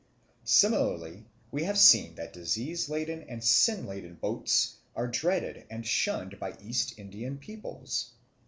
Similarly we have seen that disease laden and sin laden boats are dreaded and shunned by East Indian peoples.